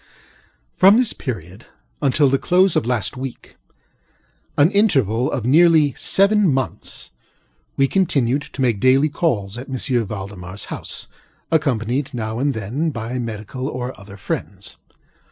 From this period until the close of last weekŌĆöan interval of nearly seven monthsŌĆöwe continued to make daily calls at M. ValdemarŌĆÖs house, accompanied, now and then, by medical and other friends.